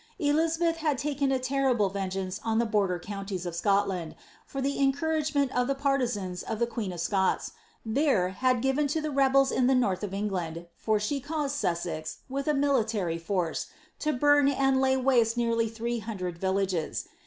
Elizabeth had taken a terrible rear geance on the border counties of Scodand, for the encouragement the partisans of the queen of Scots, there, had given to the rebels in the north of England, for she caused Sussex, uith a military force, to bom and lay waste nearly three hundred villages.'